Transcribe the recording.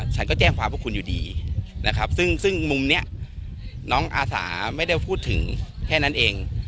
ฉันก็แจ้งความพวกคุณอยู่ดีนะครับซึ่งมุมนี้น้องอาสาไม่ได้พูดถึงแค่นั้นเอง